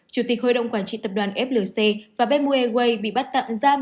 chủ tịch hội động quản trị tập đoàn flc và bmw airways bị bắt tạm giam